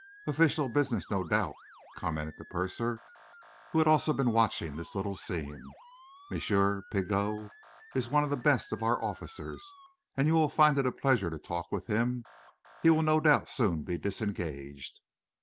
"Official business, no doubt," commented the purser, who had also been watching this little scene. "M. Pigot is one of the best of our officers, and you will find it a pleasure to talk with him. He will no doubt soon be disengaged."